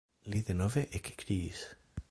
Li denove ekkriis.